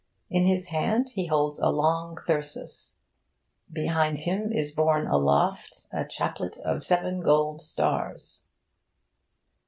In his hand he holds a long thyrsus. Behind him is borne aloft a chaplet of seven gold stars.